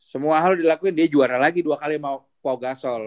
semua hal dilakuin dia juara lagi dua kali mau pogasol